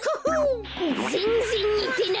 ぜんぜんにてないし！